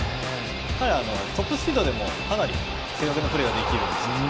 彼はトップスピードでもかなり正確なプレーができます。